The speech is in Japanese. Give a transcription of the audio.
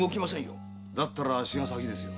だったらあっしが先ですよ。